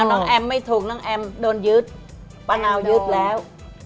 น้องแอมไม่ถูกน้องแอมโดนยึดป้านาวยึดแล้ว